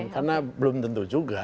karena belum tentu juga